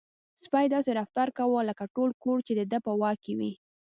سپی داسې رفتار کاوه لکه ټول کور چې د ده په واک کې وي.